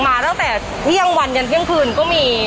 มาตั้งแต่เที่ยงวันยันเที่ยงคืนก็มี